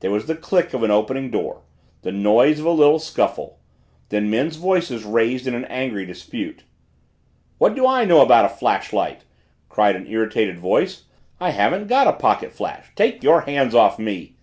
There was the click of an opening door, the noise of a little scuffle then men's voices raised in an angry dispute. "What do I know about a flashlight?" cried an irritated voice. "I haven't got a pocket flash take your hands off me!"